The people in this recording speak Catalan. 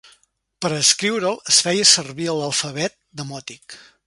Per a escriure'l, es feia servir l'alfabet demòtic.